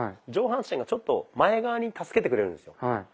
上半身がちょっと前側に助けてくれるんですよ。